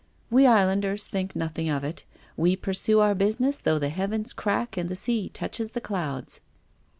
"" We islanders think nothing of it. We pursue our business though the heavens crack and the sea touches the clouds."